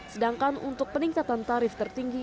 sedangkan untuk peningkatan tarif tertinggi